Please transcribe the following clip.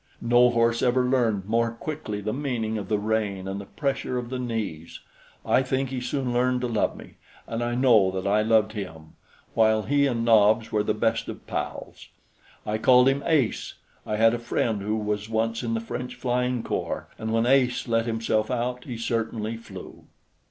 No horse ever learned more quickly the meaning of the rein and the pressure of the knees. I think he soon learned to love me, and I know that I loved him; while he and Nobs were the best of pals. I called him Ace. I had a friend who was once in the French flying corps, and when Ace let himself out, he certainly flew.